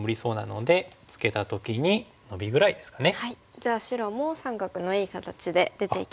じゃあ白も三角のいい形で出ていきます。